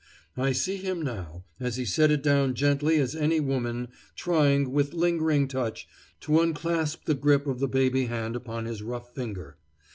I see him now, as he set it down gently as any woman, trying, with lingering touch, to unclasp the grip of the baby hand upon his rough finger.